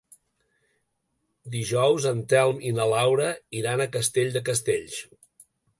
Dijous en Telm i na Laura iran a Castell de Castells.